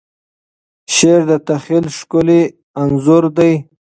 شعر د تخیل ښکلی انځور دی.